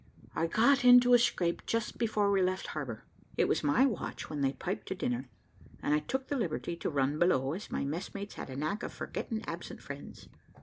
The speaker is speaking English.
"I got into a scrape just before we left harbour. It was my watch when they piped to dinner, and I took the liberty to run below, as my messmates had a knack of forgetting absent friends.